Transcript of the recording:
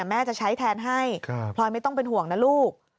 แม่จะใช้แทนให้พลอยไม่ต้องเป็นห่วงนะลูก